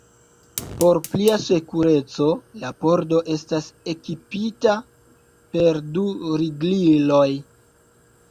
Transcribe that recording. Por plia sekureco, la pordo estas ekipita per du rigliloj.